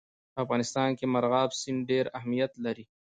په افغانستان کې مورغاب سیند ډېر اهمیت لري.